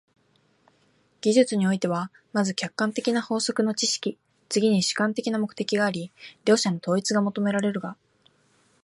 技術においては、まず客観的な法則の知識、次に主観的な目的があり、両者の統一が求められるが、